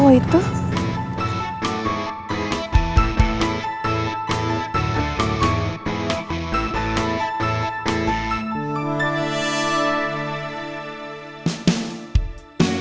wijen gak panggilan banget